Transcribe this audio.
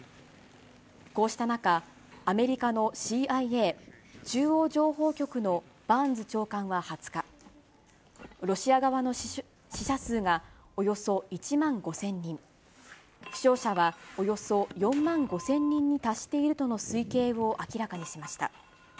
こうした中、アメリカのＣＩＡ・中央情報局のバーンズ長官は２０日、ロシア側の死者数がおよそ１万５０００人、負傷者はおよそ４万５０００人に達しているとの推計を明らかにしました。